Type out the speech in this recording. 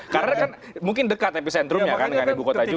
karena kan mungkin dekat epicentrumnya kan kan ibu kota juga